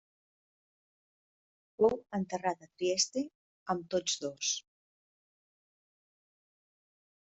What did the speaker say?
Fou enterrat a Trieste amb tots dos.